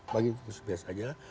bagi itu biasa saja